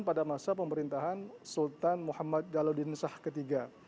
tapi pada masa pemerintahan sultan muhammad jaludin shah iii